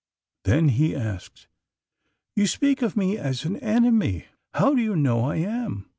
Then he asked : *^You speak of me as an enemy. How do you know I am?